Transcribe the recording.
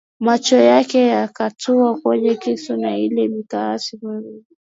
Macho yake yakatua kwenye kisu na ile mikasi miwili